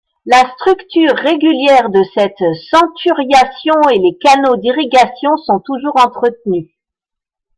La structure régulière de cette centuriation et les canaux d’irrigation sont toujours entretenus.